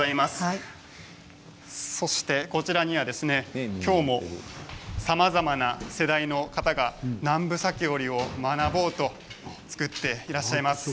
そしてこちらにはきょうもさまざまな世代の方が南部裂織を学ぼうと作っていらっしゃいます。